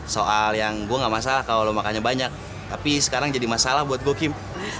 soal yang gua gak masalah kalo lu makannya banyak tapi sekarang jadi masalah buat gua kim